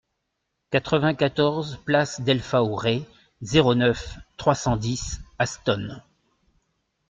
quatre-vingt-quatorze place del Faouré, zéro neuf, trois cent dix, Aston